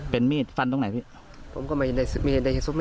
เป็นมีดฟันตรงไหนพี่